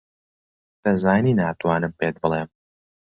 دەزانی ناتوانم پێت بڵێم.